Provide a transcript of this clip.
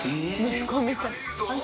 息子みたい。